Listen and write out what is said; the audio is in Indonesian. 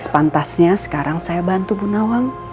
sampai sekarang saya bantu bu dawang